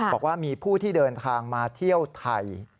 บอกว่ามีผู้ที่เดินทางมาเที่ยวไทย